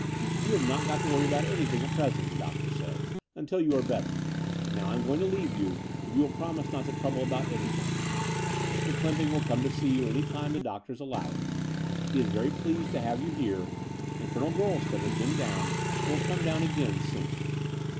"You have not got to worry about anything at present, the doctors say, untU you are better: and now I'm going to leave you, if you will promise not to trouble about anything. Mr. Clymping will come to see you any time the doctors allow him. He is very pleased to have you here: and Colonel Gorleston has been down and will come down again soon."